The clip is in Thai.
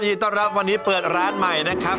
ต้อนรับวันนี้เปิดร้านใหม่นะครับ